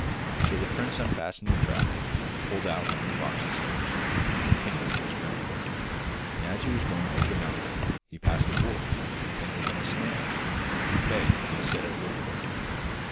So the prince unfastened the trap, pulled out one of the fox's hairs, and continued his journey. And as he was going over the mountain he passed a wolf entangled in a snare, who begged to be set at liberty.